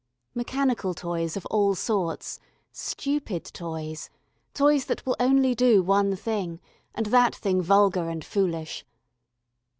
Mechanical toys of all sorts, stupid toys, toys that will only do one thing, and that thing vulgar and foolish.